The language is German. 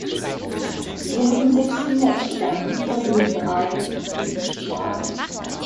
Sie hatten sechs Kinder zusammen, von denen drei früh starben.